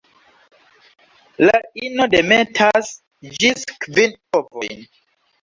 La ino demetas ĝis kvin ovojn.